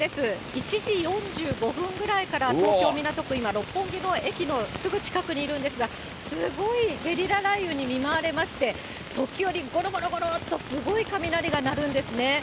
１時４５分ぐらいから東京・港区、今、六本木の駅のすぐ近くにいるんですが、すっごいゲリラ雷雨に見舞われまして、時折ごろごろごろっとすごい雷が鳴るんですね。